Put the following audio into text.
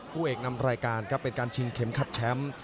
ผู้เอกนำรายการครับเป็นการชิงเข็มขัดแชมป์